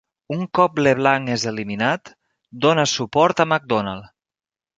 Un cop LeBlanc és eliminat, dona suport a MacDonald.